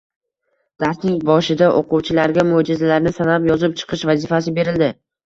Darsning boshida o`quvchilarga mo``jizalarni sanab, yozib chiqish vazifasi berildi